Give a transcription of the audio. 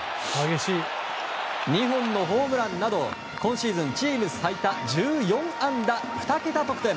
２本のホームランなど今シーズンチーム最多１４安打２桁得点。